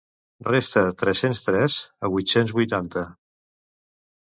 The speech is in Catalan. Resta tres-cents tres a vuit-cents vuitanta.